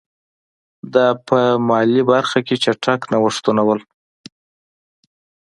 دا په مالي برخه کې چټک نوښتونه وو.